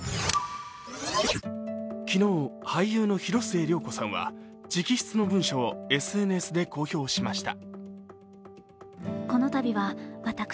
昨日、俳優の広末涼子さんは直筆の文書をＳＮＳで公表しました。